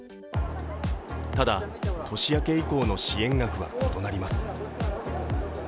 ただ、年明け以降の支援額は異なります。